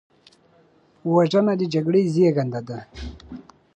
وژنه د جګړې زیږنده ده